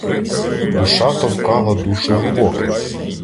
Душа товкала душу в боки